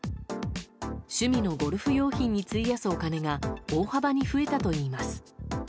趣味のゴルフ用品に費やすお金が大幅に増えたといいます。